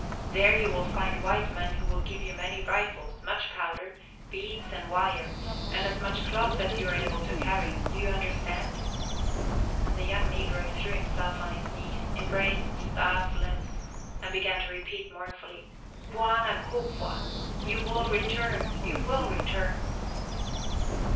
There you will find white men who will give you many rifles, much powder, beads, and wire, and as much cloth as you are able to carry. Do you understand?" And the young negro threw himself on his knees, embraced Stas' limbs, and began to repeat mournfully: "Bwana kubwa! You will return! You will return!"